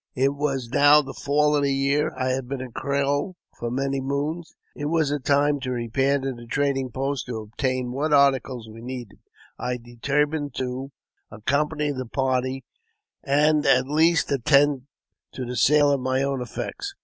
It was now the fall of the year. I had been a Crow for many moons. It was time to repair to the trading post to obtain what articles we needed. I determined to accompany the party, and at least attend to the sale of my own effects..